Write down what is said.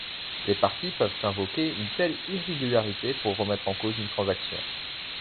Les parties peuvent invoquer une telle irrégularité pour remettre en cause une transaction.